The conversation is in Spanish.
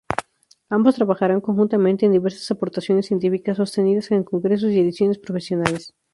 Ambos trabajarán conjuntamente en diversas aportaciones científicas sostenidas en congresos y ediciones profesionales.